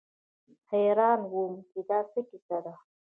حيران وم چې دا څه کيسه ده.